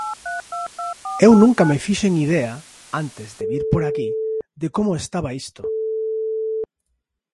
Eu nunca me fixen idea, antes de vir por aquí, de como estaba isto.